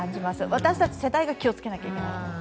私たち世代が気をつけなきゃいけない。